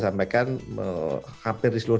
sampaikan hampir di seluruh